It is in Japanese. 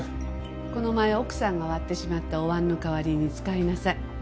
この前奥さんが割ってしまったお碗の代わりに使いなさい。